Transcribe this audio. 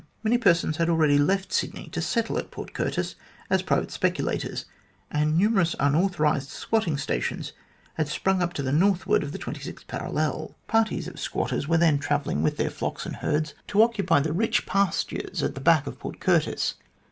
Many persons had already left Sydney to settle at Port Curtis as private speculators, and numerous unauthorised squatting stations had sprung up to the northward of the 26th parallel. Parties of squatters were then travelling with their flocks and THE VETO OF EARL GREY 59 herds to occupy the rich pastures at the back of Port Curtis.